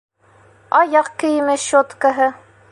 Аяҡ кейеме щеткаһы.